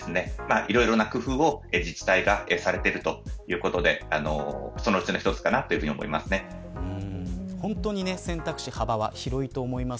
いろいろな工夫を自治体がされているということでそのうちの一つかなと思います。